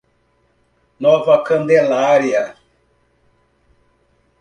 Nova Candelária